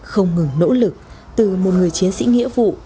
không ngừng nỗ lực từ một người chiến sĩ nghĩa vụ